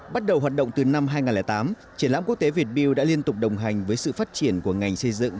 bắt đầu hoạt động từ năm hai nghìn tám triển lãm quốc tế việt build đã liên tục đồng hành với sự phát triển của ngành xây dựng